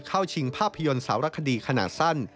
ชิงภาพยนตร์สารคดีขนาดสั้น